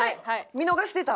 見逃してた。